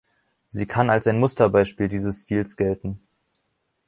Sie kann als ein Musterbeispiel dieses Stils gelten.